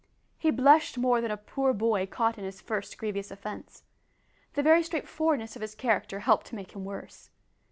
He blushed more than a poor boy caught in his first grievous offence. The very straightforwardness of his character helped to make him worse.